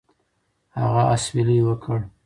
هغه اسویلی وکړ.